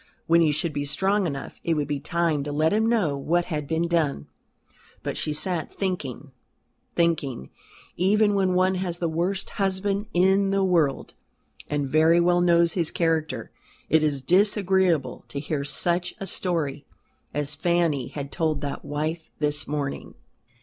When he should be strong enough it would be time to let him know what had been done. But she sat thinking thinking even when one has the worst husband in the world, and very well knows his character, it is disagreeable to hear such a story as Fanny had told that wife this morning.